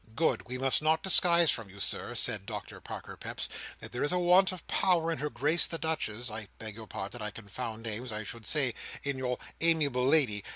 "Good! We must not disguise from you, Sir," said Doctor Parker Peps, "that there is a want of power in Her Grace the Duchess—I beg your pardon; I confound names; I should say, in your amiable lady.